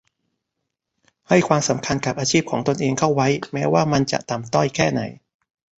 ให้ความสำคัญกับอาชีพของตัวเองเข้าไว้ แม้ว่ามันจะต่ำต้อยแค่ไหน